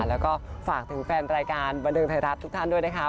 แล้วก็ฝากถึงแฟนรายการบันเทิงไทยรัฐทุกท่านด้วยนะคะ